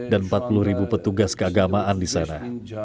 dan empat puluh ribu petugas keagamaan di sana